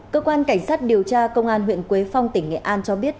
cơ quan cảnh sát điều tra công an huyện quế phong tỉnh nghệ an cho biết